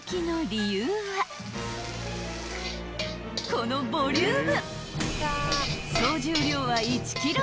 ［このボリューム］